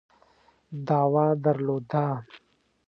دعوه درلوده.